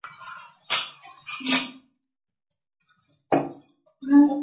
德累斯顿圣母教堂是德国萨克森州首府德累斯顿的一座路德会教堂。